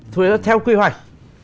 thu hồi đất theo quy hoạch